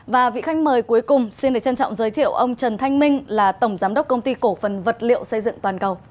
và vị khách mời cuối cùng xin được trân trọng giới thiệu ông trần thanh minh là tổng giám đốc công ty cổ phần vật liệu xây dựng toàn cầu